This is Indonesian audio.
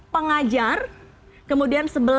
pengajar kemudian sebelas